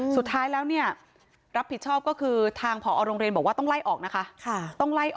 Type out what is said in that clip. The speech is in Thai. สุดท้ายแล้วเนี่ยรับผิดชอบก็คือทางผอโรงเรียนบอกว่าต้องไล่ออกนะคะ